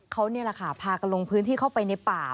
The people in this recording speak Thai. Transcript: เขานี่แหละค่ะพากันลงพื้นที่เข้าไปในป่า